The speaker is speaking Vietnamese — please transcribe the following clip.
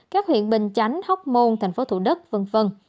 các huyện bình chánh hóc môn tp thủ đất v v